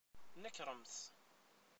Nekremt!